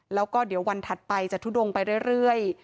แล้วก็เดี๋ยววันถัดไปจะทุดงไปเรื่อย